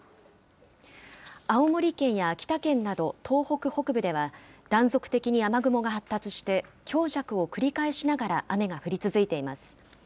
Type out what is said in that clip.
青森県や秋田県など、東北北部では、断続的に雨雲が発達して、強弱を繰り返しながら雨が降り続いています。